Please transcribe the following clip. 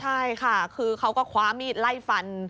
ใช่ค่ะคือเขาก็คว้ามีดไล่ฟัน